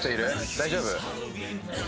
大丈夫？